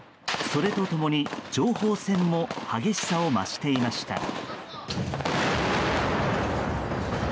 それと共に、情報戦も激しさを増していました。